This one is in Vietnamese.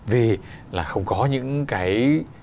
vì là không có những cái